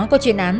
có chuyên án